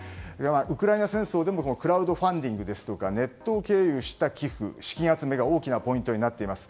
ウクライナ戦争でもクラウドファンディングですとかネットを経由した寄付資金集めが大きなポイントになっています。